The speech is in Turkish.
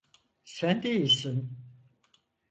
Sen de iyisin.